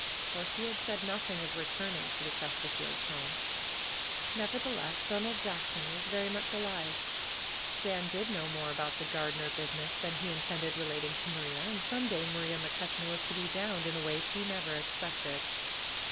For he had said nothing of returning to the Chesterfields' home. Nevertheless, Donald Jackson was very much alive. Dan did know more about the gardener business" than he intended relating to Maria. And some day Maria McCutcheon was to be downed" in a way she never ex pected.